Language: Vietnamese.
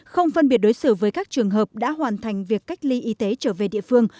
không phân biệt đối xử với các trường hợp đã hoàn thành việc cách ly y tế trở về địa phương